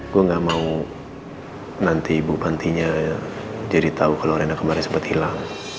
gue gak mau nanti ibu pantinya jadi tau kalo rena kemarin sempet hilang